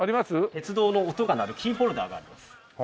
鉄道の音が鳴るキーホルダーがあります。